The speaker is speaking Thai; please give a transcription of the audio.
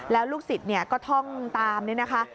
แล้วลูกศิษย์ก็ท่องตามนี่นะคะ